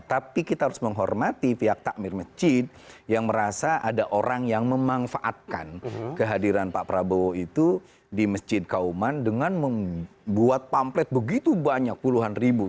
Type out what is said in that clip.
tapi kita harus menghormati pihak takmir masjid yang merasa ada orang yang memanfaatkan kehadiran pak prabowo itu di masjid kauman dengan membuat pamplet begitu banyak puluhan ribu